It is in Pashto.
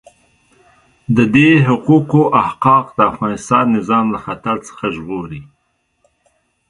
د دې حقوقو احقاق د افغانستان نظام له خطر څخه ژغوري.